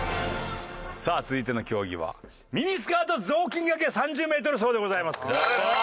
さあ続いての競技はミニスカート雑巾掛け３０メートル走でございます。